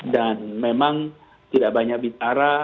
dan memang tidak banyak bitara